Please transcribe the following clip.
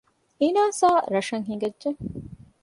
އިނާސާ ރަށަށް ހިނގައްޖެ